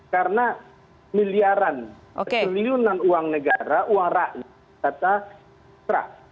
karena miliaran keseliluan uang negara uang rakyat tata serat